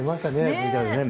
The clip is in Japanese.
ＶＴＲでね。